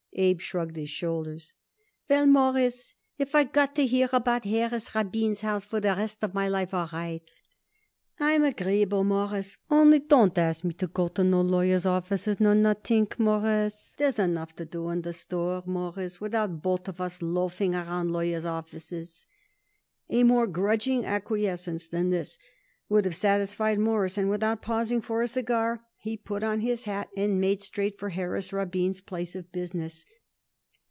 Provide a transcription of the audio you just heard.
Abe shrugged his shoulders. "Well, Mawruss, if I got to hear about Harris Rabin's house for the rest of my life, all right. I'm agreeable, Mawruss; only, don't ask me to go to no lawyers' offices nor nothing, Mawruss. There's enough to do in the store, Mawruss, without both of us loafing around lawyers' offices." A more grudging acquiescence than this would have satisfied Morris, and, without pausing for a cigar, he put on his hat and made straight for Harris Rabin's place of business.